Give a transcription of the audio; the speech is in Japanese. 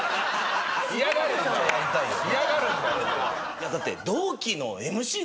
いやだって。